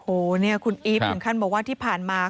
โอ้โหเนี่ยคุณอีฟถึงขั้นบอกว่าที่ผ่านมา